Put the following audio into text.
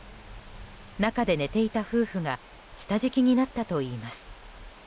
中で寝ていた夫婦が下敷きになったといいます。